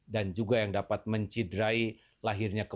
dan juga yang dapat mencidrai kebersamaan kita